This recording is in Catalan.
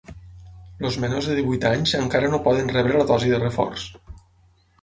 Els menors de divuit anys encara no poden rebre la dosi de reforç.